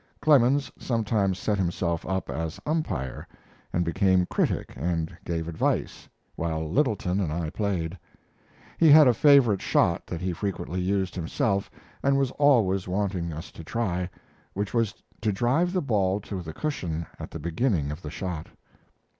Clemens sometimes set himself up as umpire, and became critic and gave advice, while Littleton and I played. He had a favorite shot that he frequently used himself and was always wanting us to try, which was to drive the ball to the cushion at the beginning of the shot.